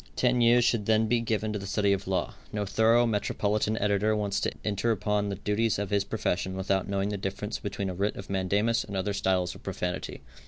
Ten years should then be given to the study of law. No thorough, metropolitan editor wants to enter upon the duties of his profession without knowing the difference between a writ of mandamus and other styles of profanity.